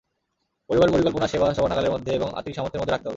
পরিবার পরিকল্পনা সেবা সবার নাগালের মধ্যে এবং আর্থিক সামর্থ্যের মধ্যে রাখতে হবে।